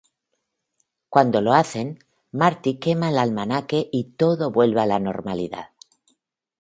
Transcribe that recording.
Cuando lo hacen, Marty quema el almanaque y todo vuelve a la normalidad.